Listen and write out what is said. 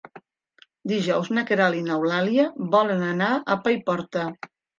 Dijous na Queralt i n'Eulàlia volen anar a Paiporta.